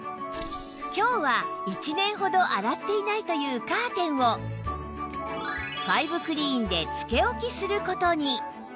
今日は１年ほど洗っていないというカーテンをファイブクリーンでつけ置きする事に